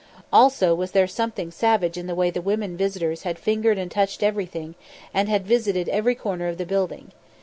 Also was there something savage in the way the women visitors had fingered and touched everything, and had visited every corner of the building.